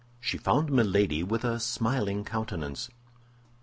She found Milady with a smiling countenance.